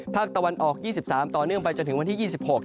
ภาคตะวันออก๒๓ต่อเนื่องไปจนถึงวันที่๒๖